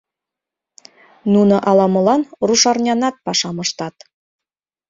Нуно ала-молан рушарнянат пашам ыштат.